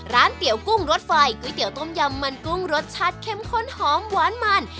เตี๋ยวกุ้งรสไฟก๋วยเตี๋ยต้มยำมันกุ้งรสชาติเข้มข้นหอมหวานมัน